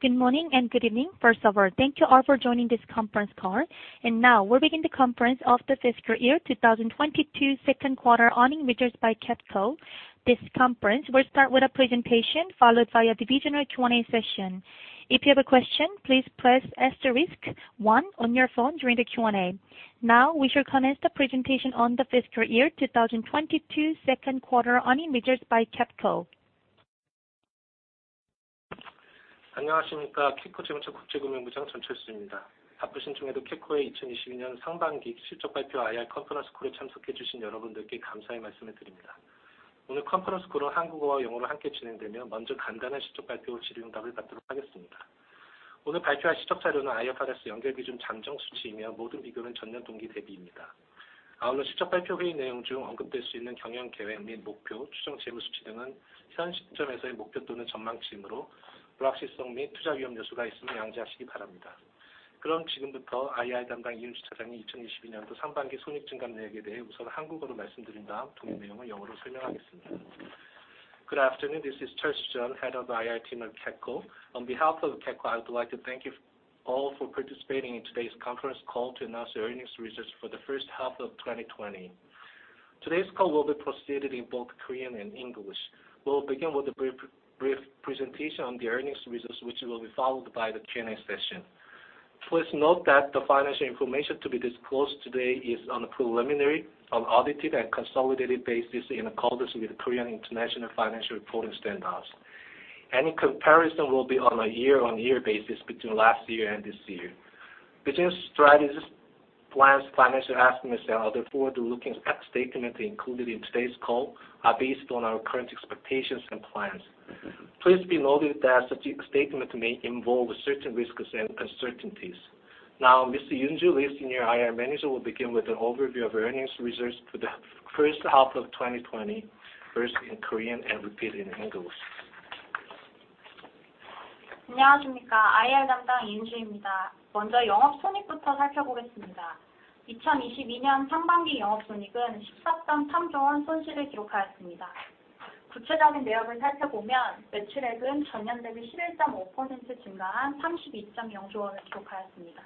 Good morning and good evening. First of all, thank you all for joining this conference call. Now we'll begin the conference of the FY 2022 Q2 Earnings Results by KEPCO. This conference will start with a presentation followed by a divisional Q&A session. If you have a question, please press asterisk one on your phone during the Q&A. Now we shall commence the presentation on the FY 2022 Q2 Earnings Results by KEPCO. 안녕하십니까? KEPCO 재무처 국제금융부장 전철수입니다. 바쁘신 중에도 KEPCO의 2022년 상반기 실적 발표 IR 컨퍼런스 콜에 참석해 주신 여러분들께 감사의 말씀을 드립니다. 오늘 컨퍼런스 콜은 한국어와 영어로 함께 진행되며, 먼저 간단한 실적 발표 후 질의응답을 받도록 하겠습니다. 오늘 발표할 실적 자료는 IFRS 연결기준 잠정 수치이며, 모든 비교는 전년 동기 대비입니다. 아울러 실적 발표 회의 내용 중 언급될 수 있는 경영 계획 및 목표, 추정 재무수치 등은 현 시점에서의 목표 또는 전망치이므로 불확실성 및 투자 위험 요소가 있음을 양지하시기 바랍니다. 그럼 지금부터 IR 담당 이윤주 차장이 2022년도 상반기 손익 증가 내역에 대해 우선 한국어로 말씀드린 다음 동일 내용을 영어로 설명하겠습니다. Good afternoon, this is Charles Jun, Head of IR Team of KEPCO. On behalf of KEPCO, I would like to thank you all for participating in today's conference call to announce the earnings results for the first half of 2022. Today's call will be proceeded in both Korean and English. We will begin with a brief presentation on the earnings results, which will be followed by the Q&A session. Please note that the financial information to be disclosed today is on a preliminary, unaudited, and consolidated basis in accordance with Korean International Financial Reporting Standards. Any comparison will be on a year-on-year basis between last year and this year. Business strategies, plans, financial assessments, and other forward-looking statements included in today's call are based on our current expectations and plans. Please be noted that such statements may involve certain risks and uncertainties. Now, Mr. Yoonju Lee, Senior IR Manager, will begin with an overview of earnings results for the first half of 2020, first in Korean and repeated in English. 안녕하십니까? IR 담당 이윤주입니다. 먼저 영업손익부터 살펴보겠습니다. 2022년 상반기 영업손익은 14.3조 원 손실을 기록하였습니다. 구체적인 내역을 살펴보면, 매출액은 전년 대비 11.5% 증가한 32.0조 원을 기록하였습니다.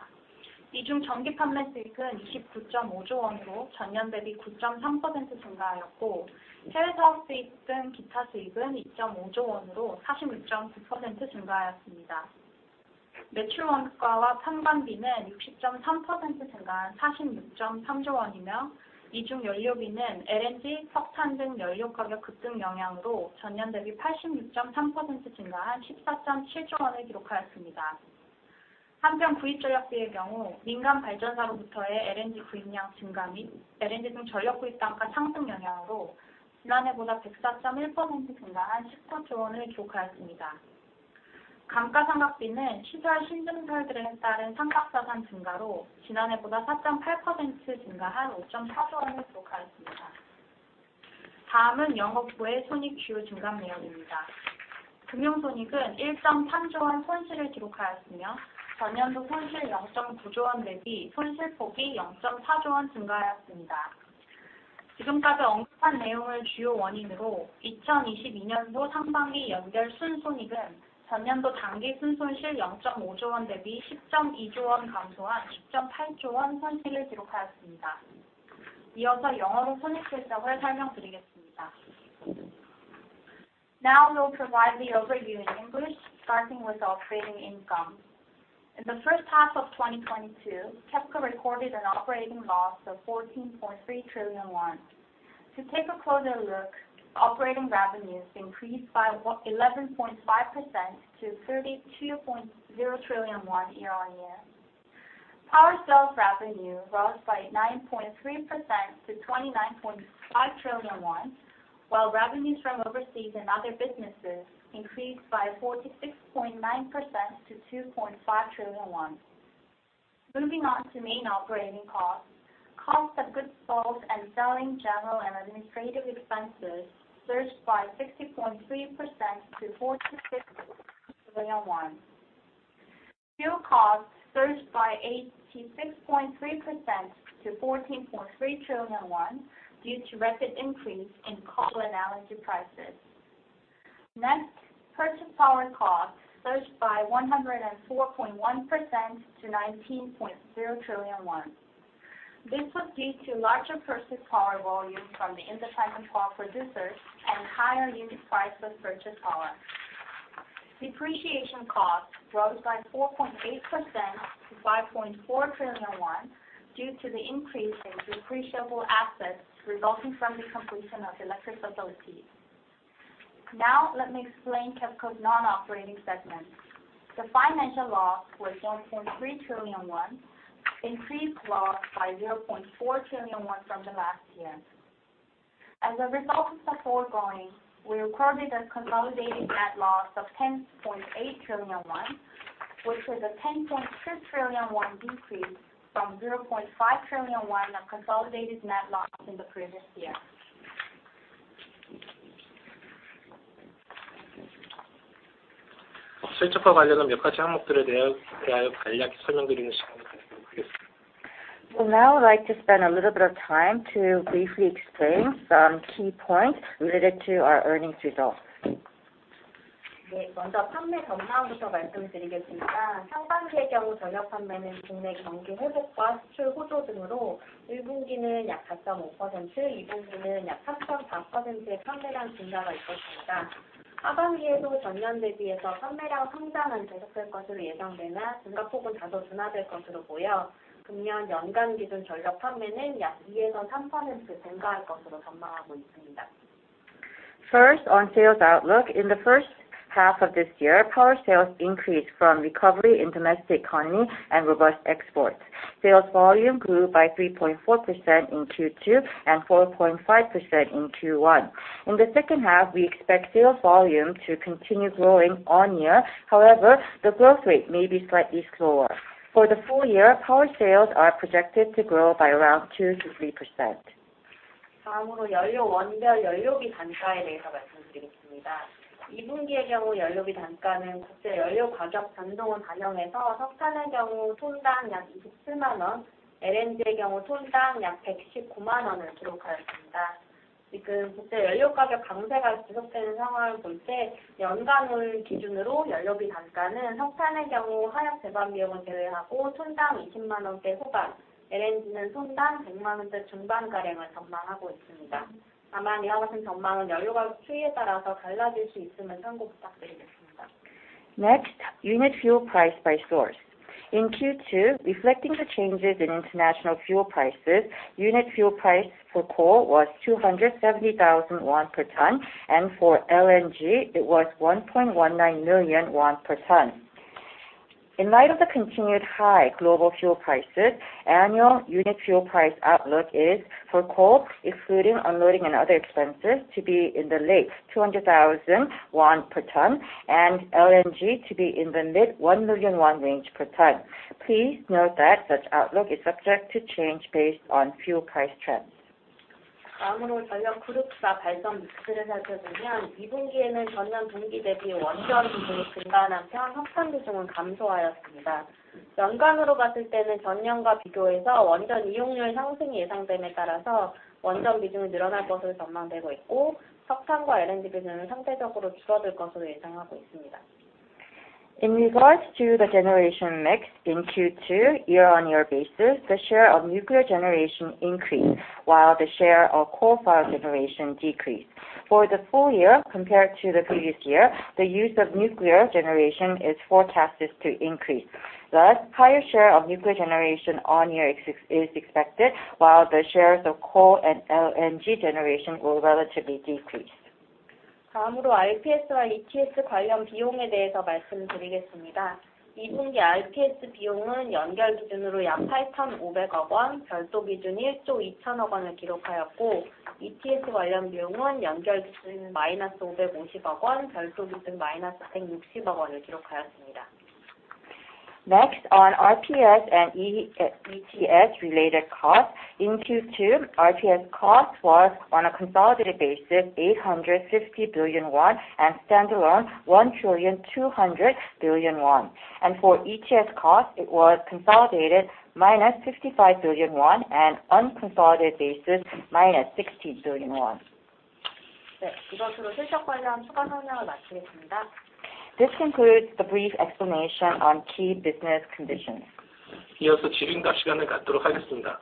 이중 전기 판매 수익은 29.5조 원으로 전년 대비 9.3% 증가하였고, 해외사업 수입 등 기타 수입은 2.5조 원으로 46.9% 증가하였습니다. 매출원가와 판관비는 60.3% 증가한 46.3조 원이며, 이중 연료비는 LNG, 석탄 등 연료 가격 급등 영향으로 전년 대비 86.3% 증가한 14.7조 원을 기록하였습니다. 한편, 구입전력비의 경우 민간발전사로부터의 LNG 구입량 증가 및 LNG 등 전력 구입단가 상승 영향으로 지난해보다 104.1% 증가한 15조 원을 기록하였습니다. 감가상각비는 취득한 신증설들에 따른 상각자산 증가로 지난해보다 4.8% 증가한 5.4조 원을 기록하였습니다. 다음은 영업외 손익 주요 증감 내역입니다. 금융손익은 1.3조 원 손실을 기록하였으며, 전년도 손실 0.9조 원 대비 손실폭이 0.4조 원 증가하였습니다. 지금까지 언급한 내용을 주요 원인으로 2022년도 상반기 연결 순손익은 전년도 당기순손실 0.5조 원 대비 10.2조 원 감소한 10.8조 원 손실을 기록하였습니다. 이어서 영어로 손익 실적을 설명드리겠습니다. Now we will provide the overview in English, starting with operating income. In the first half of 2022, KEPCO recorded an operating loss of 14.3 trillion won. To take a closer look, operating revenues increased by 11.5% to 32.0 trillion won year-over-year. Power sales revenue rose by 9.3% to 29.5 trillion won, while revenues from overseas and other businesses increased by 46.9% to 2.5 trillion won. Moving on to main operating costs, cost of goods sold and selling, general, and administrative expenses surged by 60.3% to 46 trillion. Fuel costs surged by 86.3% to 14.3 trillion won, due to rapid increase in coal and LNG prices. Next, purchase power costs surged by 104.1% to 19.0 trillion won. This was due to larger purchased power volumes from the independent power producers and higher unit price of purchased power. Depreciation costs rose by 4.8% to 5.4 trillion won, due to the increase in depreciable assets resulting from the completion of electric facilities. Now let me explain KEPCO's non-operating segments. The financial loss was 1.3 trillion won, increased loss by KRW 0.4 trillion from last year. As a result of the foregoing, we recorded a consolidated net loss of KRW 10.8 trillion, which was a KRW 10.6 trillion decrease from KRW 0.5 trillion of consolidated net loss in the previous year. 실적과 관련한 몇 가지 항목들에 대하여 간략히 설명드리는 시간을 갖도록 하겠습니다. Now I'd like to spend a little bit of time to briefly explain some key points related to our earnings results. 먼저 판매 전망부터 말씀드리겠습니다. 상반기의 경우 전력 판매는 국내 경기 회복과 수출 호조 등으로 1분기는 약 4.5%, 2분기는 약 3.4%의 판매량 증가가 있었습니다. 하반기에도 전년 대비해서 판매량 성장은 계속될 것으로 예상되나 증가폭은 다소 둔화될 것으로 보여 금년 연간 기준 전력 판매는 약 2에서 3% 증가할 것으로 전망하고 있습니다. First, on sales outlook. In the first half of this year, power sales increased from recovery in domestic economy and robust exports. Sales volume grew by 3.4% in Q2 and 4.5% in Q1. In the second half, we expect sales volume to continue growing year-on-year. However, the growth rate may be slightly slower. For the full year, power sales are projected to grow by around 2% to 3%. 다음으로 연료원별 연료비 단가에 대해서 말씀드리겠습니다. 이번 분기의 경우 연료비 단가는 국제 연료 가격 변동을 반영해서 석탄의 경우 톤당 약 27만 원, LNG의 경우 톤당 약 119만 원을 기록하였습니다. 지금 국제 연료 가격 강세가 지속되는 상황을 볼때 연간을 기준으로 연료비 단가는 석탄의 경우 하역 재방 비용을 제외하고 톤당 20만 원대 후반, LNG는 톤당 100만 원대 중반가량을 전망하고 있습니다. 다만 이와 같은 전망은 연료 가격 추이에 따라서 달라질 수 있음을 참고 부탁드리겠습니다. Next, unit fuel price by source. In Q2, reflecting the changes in international fuel prices, unit fuel price for coal was 270,000 won per ton and for LNG it was 1.19 million won per ton. In light of the continued high global fuel prices, annual unit fuel price outlook is for coal, excluding unloading and other expenses, to be in the late 200,000 won per ton and LNG to be in the mid 1 million won range per ton. Please note that such outlook is subject to change based on fuel price trends. 다음으로 전력 그룹사 발전 믹스를 살펴보면 이번 분기에는 전년 동기 대비 원전 비중이 증가한 반면 석탄 비중은 감소하였습니다. 연간으로 봤을 때는 전년과 비교해서 원전 이용률 상승이 예상됨에 따라서 원전 비중은 늘어날 것으로 전망되고 있고, 석탄과 LNG 비중은 상대적으로 줄어들 것으로 예상하고 있습니다. In regards to the generation mix in Q2 year-on-year basis, the share of nuclear generation increased while the share of coal-fired generation decreased. For the full year compared to the previous year, the use of nuclear generation is forecasted to increase. Thus, higher share of nuclear generation year-on-year is expected, while the shares of coal and LNG generation will relatively decrease. 다음으로 RPS와 ETS 관련 비용에 대해서 말씀드리겠습니다. 이번 분기 RPS 비용은 연결 기준으로 약 8,500억 원, 별도 기준 1조 2,000억 원을 기록하였고, ETS 관련 비용은 연결 기준 -550억 원, 별도 기준 -160억 원을 기록하였습니다. Next on RPS and ETS related costs. In Q2, RPS cost was on a consolidated basis 850 billion won and standalone 1.2 trillion. For ETS cost it was consolidated -55 billion won and unconsolidated basis -60 billion won. 네, 이것으로 실적 관련 추가 설명을 마치겠습니다. This concludes the brief explanation on key business conditions. 이어서 질의응답 시간을 갖도록 하겠습니다.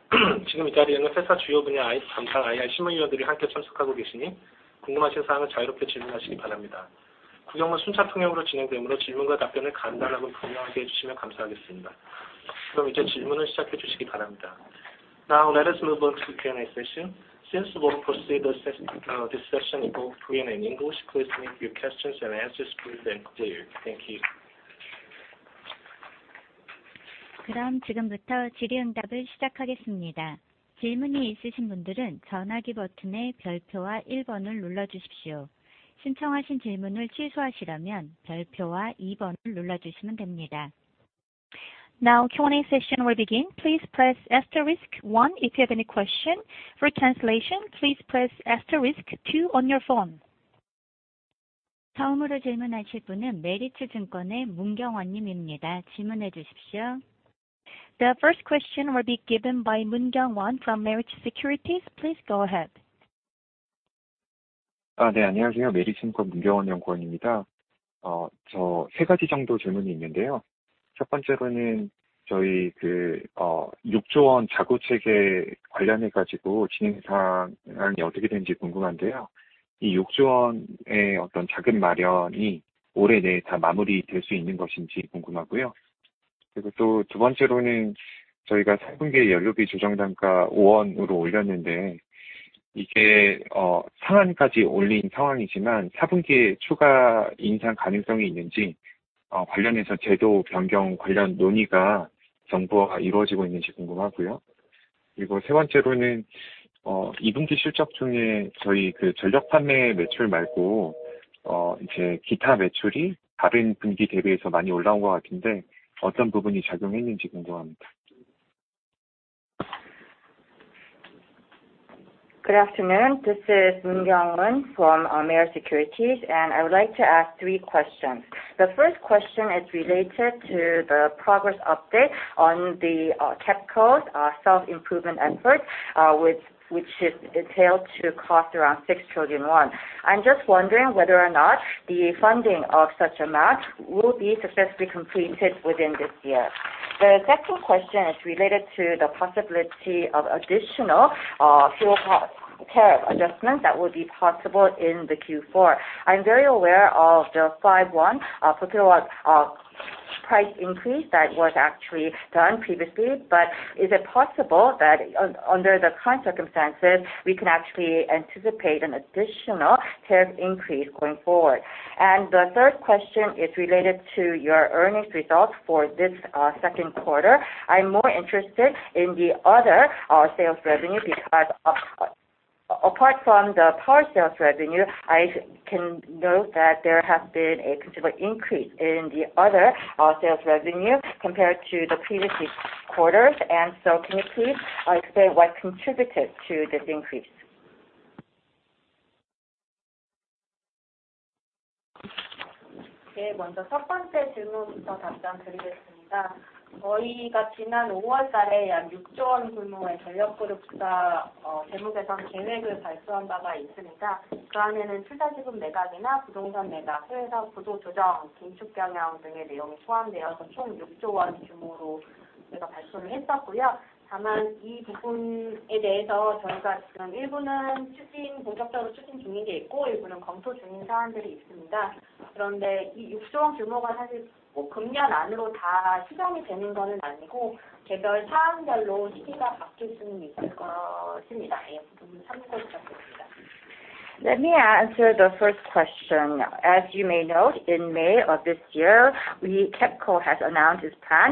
지금 이 자리에는 회사 주요 분야 담당 IR 실무진들이 함께 참석하고 계시니 궁금하신 사항은 자유롭게 질문하시기 바랍니다. 구경은 순차 통역으로 진행되므로 질문과 답변을 간단하고 분명하게 해주시면 감사하겠습니다. 그럼 이제 질문을 시작해 주시기 바랍니다. Now let us move on to Q&A session. Since we will proceed this session in both Korean and English, please make your questions and answers brief and clear. Thank you. 그럼 지금부터 질의응답을 시작하겠습니다. 질문이 있으신 분들은 전화기 버튼의 별표와 1번을 눌러주십시오. 신청하신 질문을 취소하시려면 별표와 2번을 눌러주시면 됩니다. Now Q&A session will begin. Please press asterisk one if you have any question. For translation, please press asterisk two on your phone. 다음으로 질문하실 분은 메리츠증권의 문경원님입니다. 질문해 주십시오. The first question will be given by Moon Kyung-won from Meritz Securities. Please go ahead. 안녕하세요. 메리츠증권 문경원 연구원입니다. 저세 가지 정도 질문이 있는데요. 첫 번째로는 육조 원 자구책에 관련해서 진행 상황이 어떻게 되는지 궁금한데요. 이 육조 원의 자금 마련이 올해 내에 다 마무리될 수 있는 것인지 궁금하고요. 두 번째로는 저희가 3분기에 연료비 조정 단가 5원으로 올렸는데, 상한까지 올린 상황이지만 4분기에 추가 인상 가능성이 있는지, 관련해서 제도 변경 관련 논의가 정부와 이루어지고 있는지 궁금하고요. 세 번째로는 이번 분기 실적 중에 전력 판매 매출 말고 기타 매출이 다른 분기 대비해서 많이 올라온 것 같은데 어떤 부분이 작용했는지 궁금합니다. Good afternoon. This is Moon Kyung-won from Meritz Securities, and I would like to ask three questions. The first question is related to the progress update on KEPCO's self-improvement effort, which is detailed to cost around 6 trillion won. I'm just wondering whether or not the funding of such amount will be successfully completed within this year. The second question is related to the possibility of additional fuel cost tariff adjustment that would be possible in the Q4. I'm very aware of the 5.1 won per KW price increase that was actually done previously. But is it possible that under the current circumstances, we can actually anticipate an additional tariff increase going forward? The third question is related to your earnings results for this Q2. I'm more interested in the other sales revenue because apart from the power sales revenue, I can note that there has been a considerable increase in the other sales revenue compared to the previous quarters. Can you please explain what contributed to this increase? Let me answer the first question. As you may note, in May of this year, we KEPCO has announced its plan,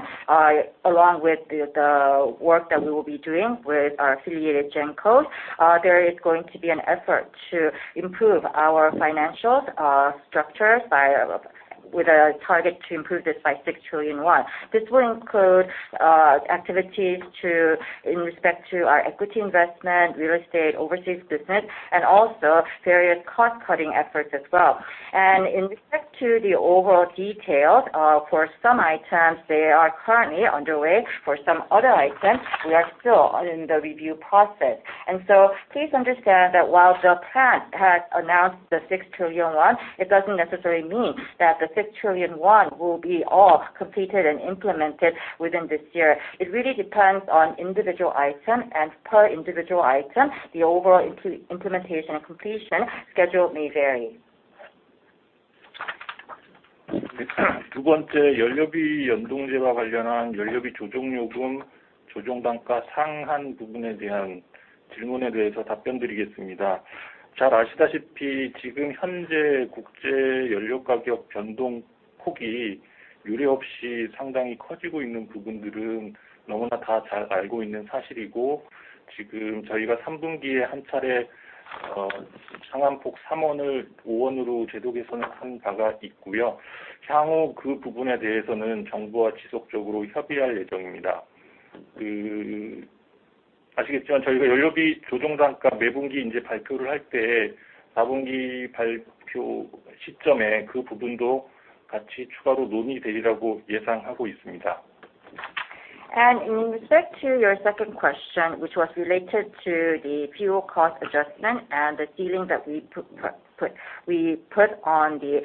along with the work that we will be doing with our affiliated gen co. There is going to be an effort to improve our financial structure by, with a target to improve this by 6 trillion won. This will include activities to, in respect to our equity investment, real estate, overseas business, and also various cost cutting efforts as well. In respect to the overall details, for some items, they are currently underway. For some other items, we are still in the review process. Please understand that while the plan has announced the 6 trillion won, it doesn't necessarily mean that the KRW 6 trillion will be all completed and implemented within this year. It really depends on individual item and per individual item, the overall implementation and completion schedule may vary. In respect to your second question, which was related to the fuel cost adjustment and the ceiling that we put on the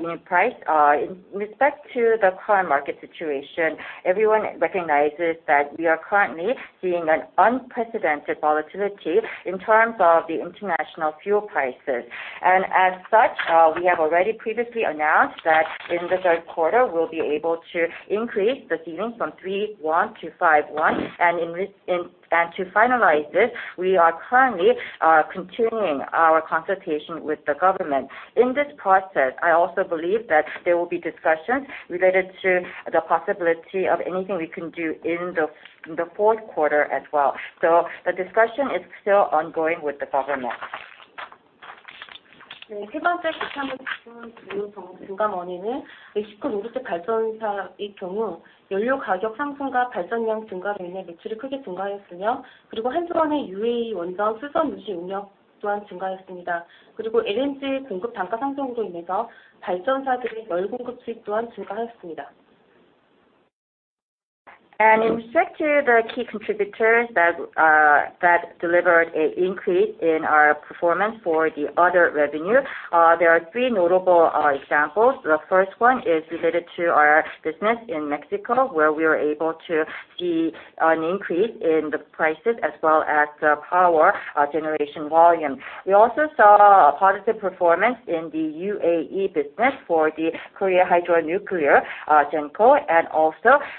unit price. In respect to the current market situation, everyone recognizes that we are currently seeing an unprecedented volatility in terms of the international fuel prices. We have already previously announced that in the third quarter we'll be able to increase the ceiling from 3.1 to 5.1. To finalize this, we are currently continuing our consultation with the government. In this process, I also believe that there will be discussions related to the possibility of anything we can do in the fourth quarter as well. The discussion is still ongoing with the government. In respect to the key contributors that delivered an increase in our performance for the other revenue, there are three notable examples. The first one is related to our business in Mexico, where we were able to see an increase in the prices as well as the power generation volume. We also saw a positive performance in the UAE business for the Korea Hydro & Nuclear Power.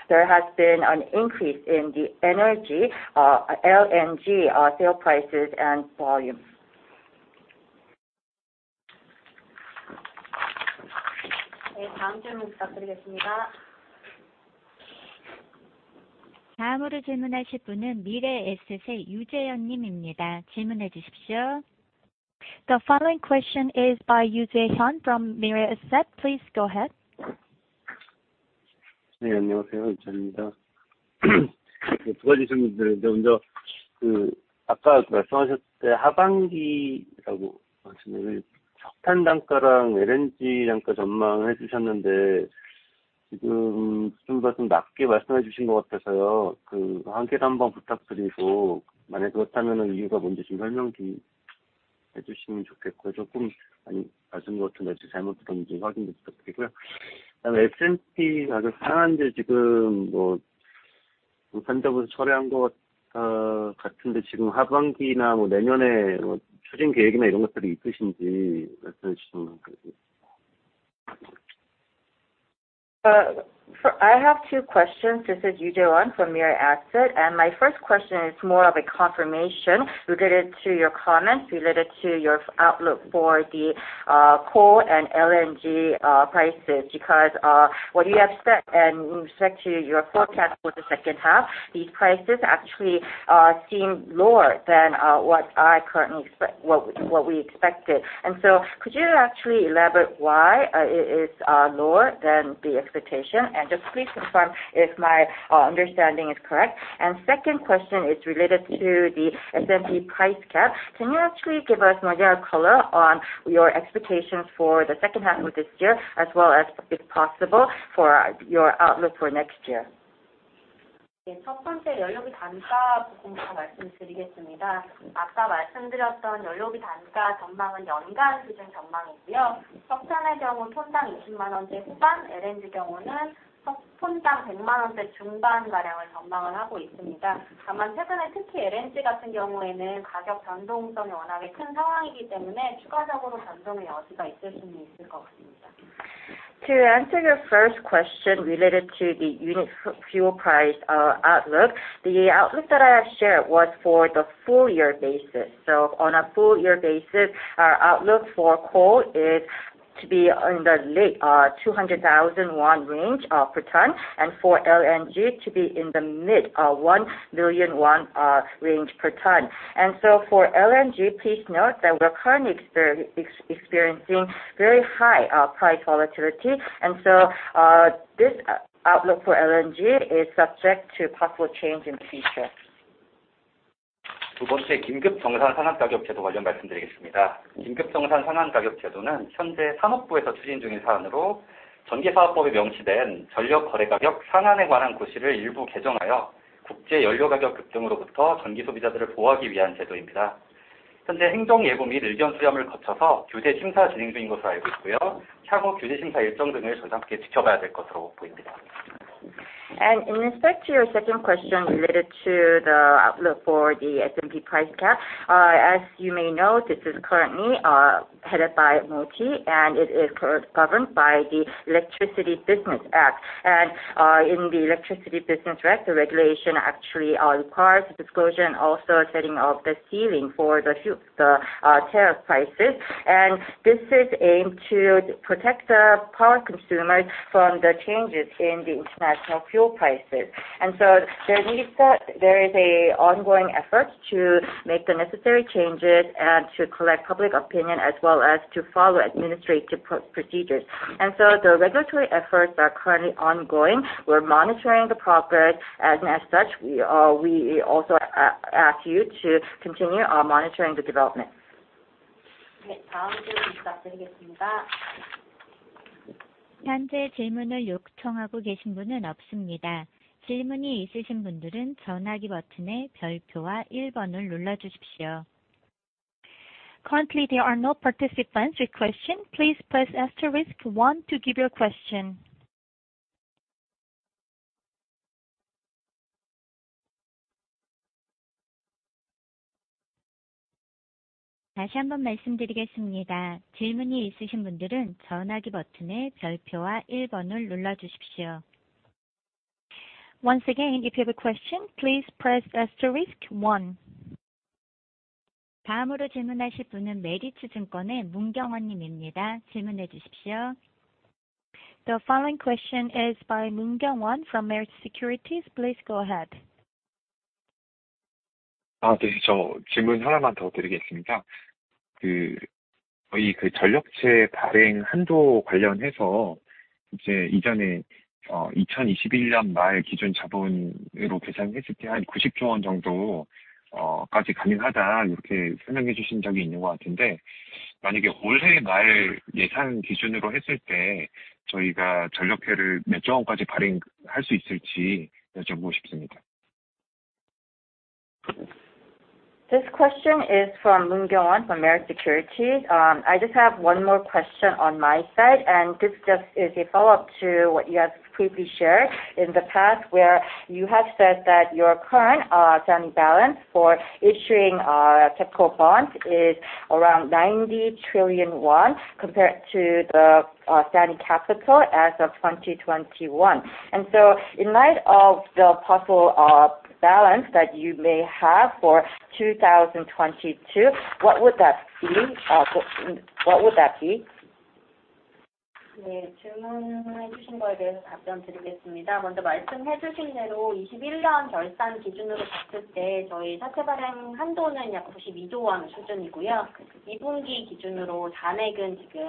There has been an increase in the energy LNG sale prices and volume. The following question is by Yoo Jae-hyun from Mirae Asset. Please go ahead. 네, 안녕하세요. 류재현입니다. 두 가지 질문 드렸는데, 먼저 아까 말씀하셨을 때 하반기 석탄 단가랑 LNG 단가 전망을 해주셨는데, 지금 좀더 낮게 말씀해 주신 것 같아서요. 확인 한번 부탁드리고, 만약에 그렇다면 이유가 뭔지 좀 설명해 주시면 좋겠고요. 맞은 것 같은데 제가 잘못 들었는지 확인도 부탁드리고요. 그다음에 SMP 가격 상한제 현재 보고 철회한 것 같은데, 하반기나 내년에 추진 계획이나 이런 것들이 있으신지 말씀해 주시면 감사하겠습니다. I have two questions. This is Yoo Jae-hyun from Mirae Asset. My first question is more of a confirmation related to your comments, related to your outlook for the coal and LNG prices. Because what you have said in respect to your forecast for the second half, these prices actually seem lower than what we expected. Could you actually elaborate why it is lower than the expectation? Just please confirm if my understanding is correct. Second question is related to the SMP price cap. Can you actually give us more color on your expectations for the second half of this year as well as if possible for your outlook for next year? 연료비 단가 부분부터 말씀드리겠습니다. 아까 말씀드렸던 연료비 단가 전망은 연간 기준 전망이고요. 석탄의 경우 톤당 20만 원대 후반, LNG의 경우는 톤당 100만 원대 중반가량을 전망하고 있습니다. 다만 최근에 특히 LNG 같은 경우에는 가격 변동성이 워낙에 큰 상황이기 때문에 추가적으로 변동의 여지가 있을 수는 있을 것 같습니다. To answer your first question related to the unit fuel price outlook. The outlook that I have shared was for the full year basis. On a full year basis, our outlook for coal is to be in the late 200,000 won range per ton, and for LNG to be in the mid 1,000,000 won range per ton. For LNG, please note that we're currently experiencing very high price volatility. This outlook for LNG is subject to possible change in the future. 두 번째 긴급정산상한가격제도 관련 말씀드리겠습니다. 긴급정산상한가격제도는 현재 산업부에서 추진 중인 사안으로 전기사업법에 명시된 전력거래가격 상한에 관한 고시를 일부 개정하여 국제 연료 가격 급등으로부터 전기 소비자들을 보호하기 위한 제도입니다. 현재 행정예고 및 의견 수렴을 거쳐서 규제 심사 진행 중인 것으로 알고 있고요. 향후 규제 심사 일정 등을 전사 함께 지켜봐야 될 것으로 보입니다. In respect to your second question related to the outlook for the SMP price cap. As you may know, this is currently headed by MOTIE, and it is governed by the Electric Utility Act. In the Electric Utility Act, the regulation actually requires disclosure and also setting of the ceiling for the tariff prices. This is aimed to protect the power consumers from the changes in the international fuel prices. There is an ongoing effort to make the necessary changes and to collect public opinion as well as to follow administrative procedures. The regulatory efforts are currently ongoing. We're monitoring the progress. As such, we also ask you to continue monitoring the development. 네, 다음 질문 부탁드리겠습니다. 현재 질문을 요청하고 계신 분은 없습니다. 질문이 있으신 분들은 전화기 버튼의 별표와 일번을 눌러주십시오. Currently, there are no participants with question. Please press asterisk one to give your question. 다시 한번 말씀드리겠습니다. 질문이 있으신 분들은 전화기 버튼의 별표와 1번을 눌러주십시오. Once again, if you have a question, please press asterisk one. 다음으로 질문하실 분은 메리츠증권의 문경원님입니다. 질문해 주십시오. The following question is by Moon Kyung-won from Meritz Securities. Please go ahead. 저 질문 하나만 더 드리겠습니다. 저희 그 전력채 발행 한도 관련해서 이전에 2021년 말 기준 자본으로 계산했을 때한 90조 원 정도까지 가능하다, 이렇게 설명해 주신 적이 있는 것 같은데 만약에 올해 말 예산 기준으로 했을 때 저희가 전력채를 몇조 원까지 발행할 수 있을지 여쭤보고 싶습니다. This question is from Moon Kyung-won from Meritz Securities. I just have one more question on my side, and this is just a follow-up to what you have previously shared in the past where you have said that your current outstanding balance for issuing KEPCO bonds is around 90 trillion won compared to the outstanding capital as of 2021. In light of the possible balance that you may have for 2022, what would that be? What would that be? 네, 질문해 주신 거에 대해서 답변드리겠습니다. 먼저 말씀해 주신 대로 2021년 결산 기준으로 봤을 때 저희 사채 발행 한도는 약 92조 원 수준이고요. 이 분기 기준으로 잔액은 지금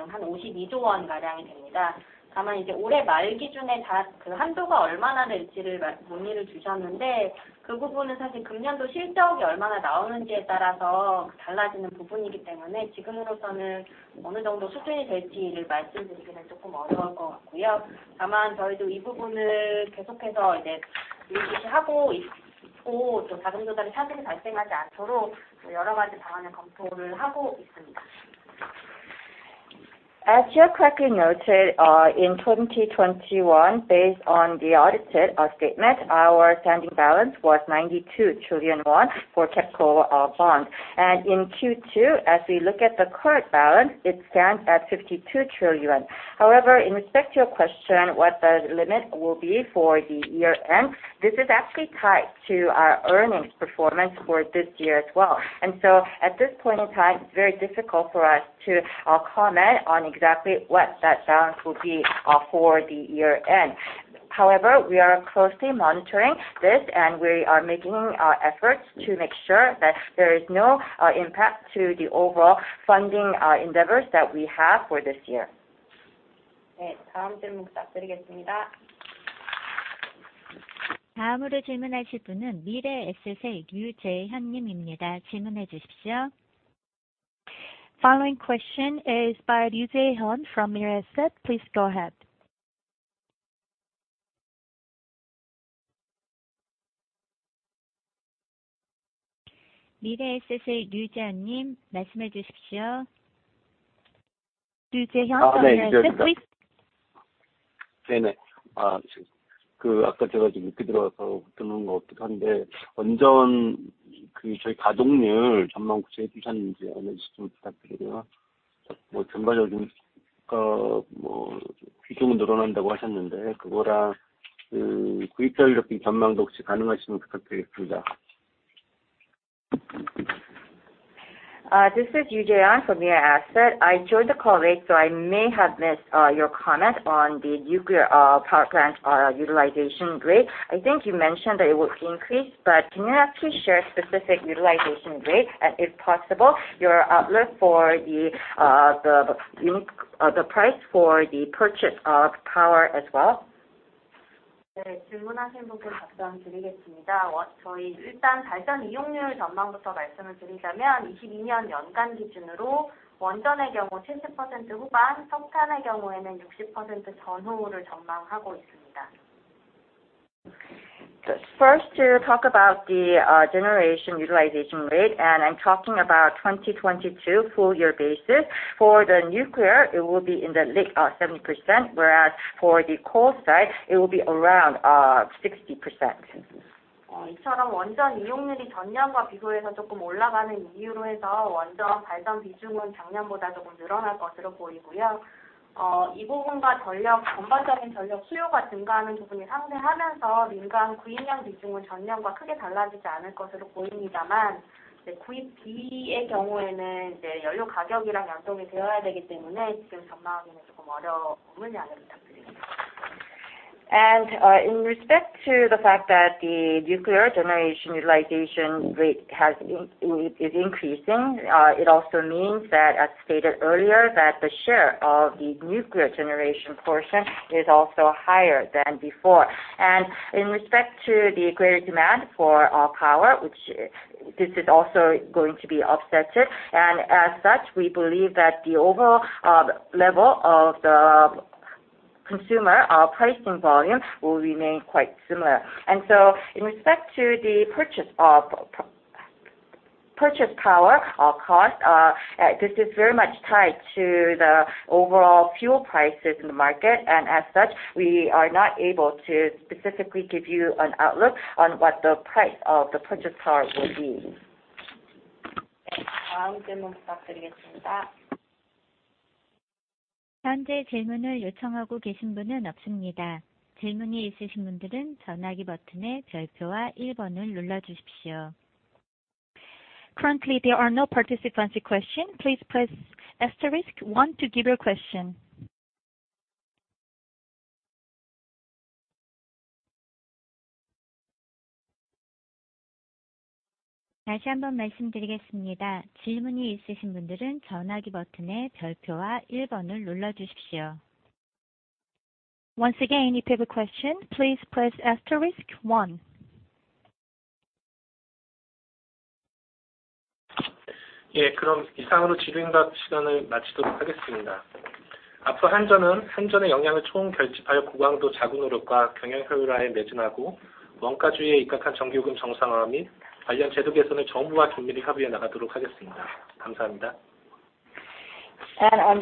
As you have correctly noted, in 2021, based on the audited statement, our outstanding balance was 92 trillion won for KEPCO bond. In Q2, as we look at the current balance, it stands at 52 trillion. However, in respect to your question, what the limit will be for the year end, this is actually tied to our earnings performance for this year as well. At this point in time, it's very difficult for us to comment on exactly what that balance will be for the year end. However, we are closely monitoring this, and we are making efforts to make sure that there is no impact to the overall funding endeavors that we have for this year. Following question is by Yoo Jae-hyun from Mirae Asset. Please go ahead. Yoo Jae-hyun from Mirae Asset, please. This is Yoo Jae-hyun from Mirae Asset. I joined the call late so I may have missed your comment on the nuclear power plant utilization rate. I think you mentioned that it will increase. Can you actually share specific utilization rate, and if possible, your outlook for the price for the purchase of power as well? First, to talk about the generation utilization rate, and I'm talking about 2022 full year basis. For the nuclear, it will be in the late 70%, whereas for the coal side it will be around 60%. In respect to the fact that the nuclear generation utilization rate is increasing, it also means that, as stated earlier, that the share of the nuclear generation portion is also higher than before. In respect to the greater demand for power, which this is also going to be offset, and as such, we believe that the overall level of the consumer pricing volume will remain quite similar. In respect to the purchase power cost, this is very much tied to the overall fuel prices in the market. As such, we are not able to specifically give you an outlook on what the price of the purchase power will be. Currently there are no participant question. Please press asterisk one to give your question. Once again, if you have a question, please press asterisk one. On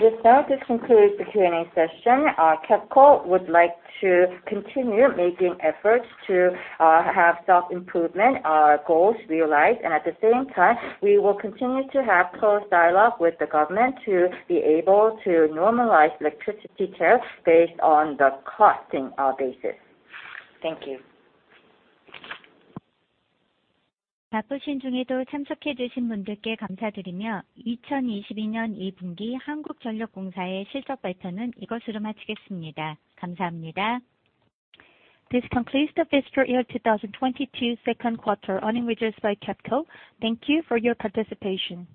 this note, this concludes the Q&A session. KEPCO would like to continue making efforts to have self-improvement goals realized. At the same time, we will continue to have close dialogue with the government to be able to normalize electricity tariffs based on the costing basis. Thank you. This concludes the FY 2022 Q2 Earnings Results by KEPCO. Thank you for your participation.